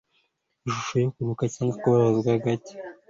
ishusho yo kuruhuka cyangwa kubabazwa gake